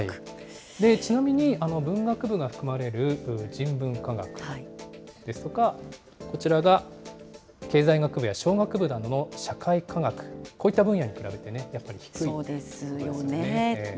ちなみに文学部が含まれる人文科学ですとか、こちらが経済学部や商学部などの社会科学、こういった分野に比べて、やっぱり低いですよね。